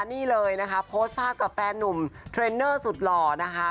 นี่เลยนะคะโพสต์ภาพกับแฟนนุ่มเทรนเนอร์สุดหล่อนะคะ